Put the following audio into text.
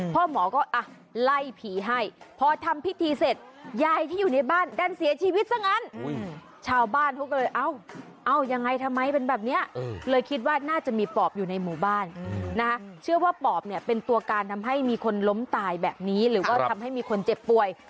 พ่อหมอก็อ่ะไล่ผีให้พอทำพิธีเสร็จยายที่อยู่ในบ้านดันเสียชีวิตซะงั้นชาวบ้านเขาก็เลยเอ้าเอายังไงทำไมเป็นแบบนี้เลยคิดว่าน่าจะมีปอบอยู่ในหมู่บ้านนะคะเชื่อว่าปอบเนี่ยเป็นตัวการทำให้มีคนล้มตายแบบนี้หรือว่าทำให้มีคนเจ็บป่วย